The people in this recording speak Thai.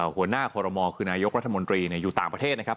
หัวหน้าคอรมอลคือนายกรัฐมนตรีอยู่ต่างประเทศนะครับ